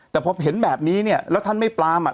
แต่พอเห็นแบบนี้เนี่ยแล้วท่านไม่ปลามอ่ะ